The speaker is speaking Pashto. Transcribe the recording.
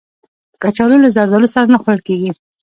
کچالو له زردالو سره نه خوړل کېږي